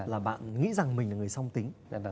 là bạn nghĩ rằng mình là người song tính